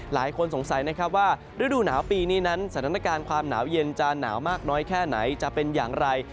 หลายคนสงสัยนะครับว่าฤดูหนาวปีนี้นั้นสถานการณ์ความหนาวเย็นจะหนาวมากน้อยแค่ไหนจะเป็นอย่างไร